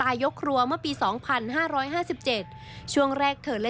ได้นำเรื่องราวมาแชร์ในโลกโซเชียลจึงเกิดเป็นประเด็นอีกครั้ง